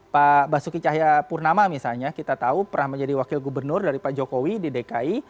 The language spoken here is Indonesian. pak basuki cahaya purnama misalnya kita tahu pernah menjadi wakil gubernur dari pak jokowi di dki